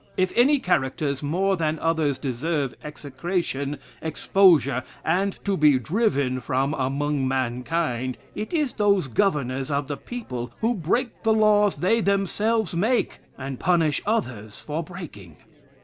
"If any characters more than others deserve execration, exposure, and to be driven from among mankind, it is those governors of the people who break the laws they themselves make, and punish others for breaking.